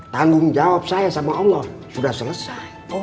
tanggung jawab saya sama allah sudah selesai